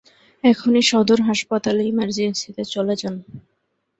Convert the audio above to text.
এখনই সদর হাসপাতালে ইমারজেন্সি তে চলে যান।